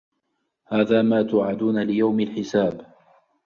هذا ما توعَدونَ لِيَومِ الحِسابِ